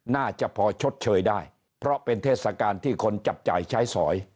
น่าจะพอชดเชยได้เพราะเป็นเทศกาลที่คนจับจ่ายใช้สอย